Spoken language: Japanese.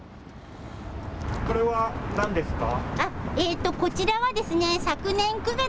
これは何ですか。